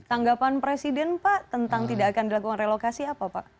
dan tanggapan presiden pak tentang tidak akan dilakukan relokasi apa